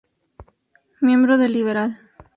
Miembro del Liberal.